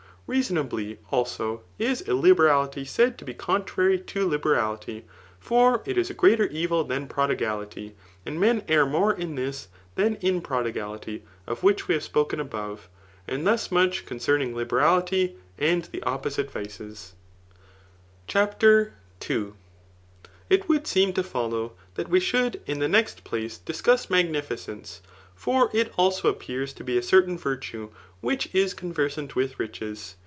Rea^ sonably, also, is illiberality said to be contrary to libe* rality ; for it is a greater evil than prodigality, and men ^rr more^ in this than in the prodigality of which we have q^ken above. And thus much concemmglfterality, and the oi^>dsite vices* CHAPTER 11. It would seem to follow that we should, in the next place, discuss magnificence ; for ^k also s^^ars to be a certain virtue which is conversant with riches.